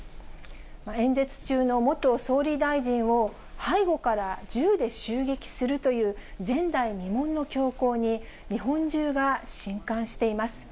演説中の元総理大臣を、背後から銃で襲撃するという、前代未聞の凶行に、日本中がしんかんしています。